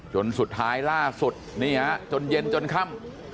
จนสุดท้ายล่าสุดนี่ฮะจนเย็นจนค่ำ